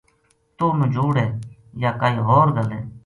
توہ نجوڑ ہے یا کائے ہو ر گل ہے